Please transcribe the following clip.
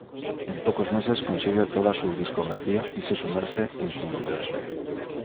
En pocos meses consigue toda su discografía y se sumerge en su universo.